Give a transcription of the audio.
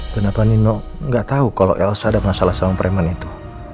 kenapa nino nggak tahu kalau elsa ada masalah sama preman itu